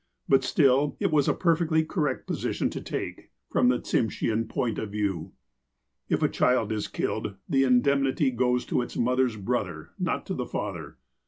But still it was a perfectly correct position to take, from the Tsimsheau point of view. If a child is killed, the indemnity goes to its mother's brother, not to the father.